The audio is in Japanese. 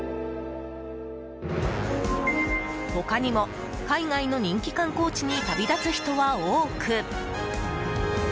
他にも、海外の人気観光地に旅立つ人は多く。